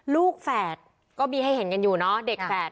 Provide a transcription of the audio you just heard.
แฝดก็มีให้เห็นกันอยู่เนาะเด็กแฝด